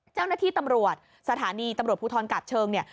เจ้าหน้าที่ตำรวจสถานีตำรวจภูทรกาบเชิงเนี่ย